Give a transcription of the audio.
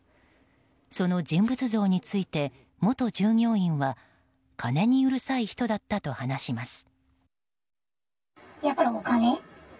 その人物像について元従業員は金にうるさい人だったと話します。